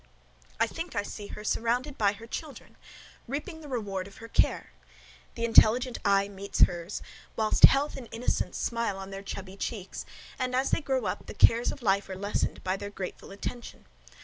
I think I see her surrounded by her children, reaping the reward of her care. The intelligent eye meets her's, whilst health and innocence smile on their chubby cheeks, and as they grow up the cares of life are lessened by their grateful attention.